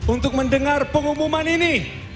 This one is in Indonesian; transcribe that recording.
untuk mendengar pengumuman ini